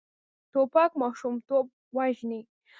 توپک ماشومتوب وژني.